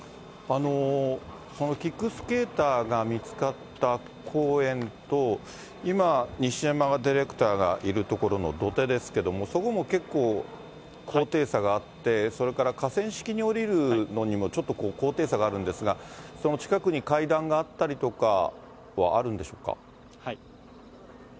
そのキックスケーターが見つかった公園と、今、西山ディレクターがいる所の土手ですけれども、そこも結構、高低差があって、それから河川敷に下りるのにもちょっと高低差があるんですが、その近くに階段があったりとかはあるんでしょうか？